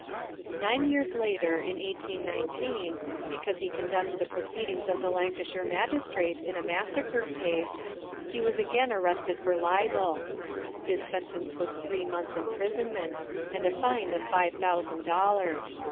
Nine years later, in 1819, because he condemned the proceedings of the Lancashire magistrates in a massacre case, he was again arrested for libel (?). His sentence was three months' imprisonment, and a fine of five thousand dollars.